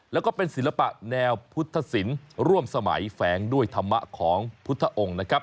และเป็นศิลปะแนวพุทธสินร่วมสมัยแฝงด้วยธรรมะของพุทธองค์